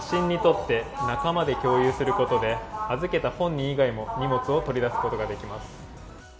このＱＲコードを写真に撮って仲間で共有することで、預けた本人以外も荷物を取り出すことができます。